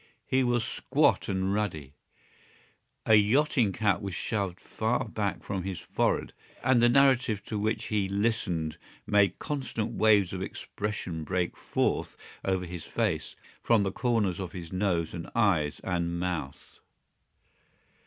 He was squat and ruddy. A yachting cap was shoved far back from his forehead and the narrative to which he listened made constant waves of expression break forth over his face from the corners of his nose and eyes and mouth.